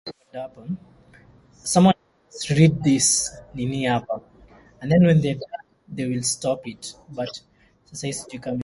Constantine Mavrocordatos ruled a total of ten times in Moldavia and Wallachia.